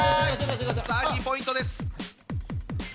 さあ２ポイントです。